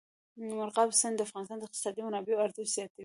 مورغاب سیند د افغانستان د اقتصادي منابعو ارزښت زیاتوي.